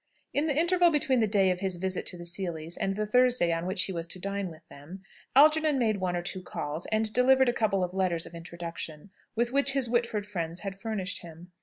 In the interval between the day of his visit to the Seelys and the Thursday on which he was to dine with them, Algernon made one or two calls, and delivered a couple of letters of introduction, with which his Whitford friends had furnished him.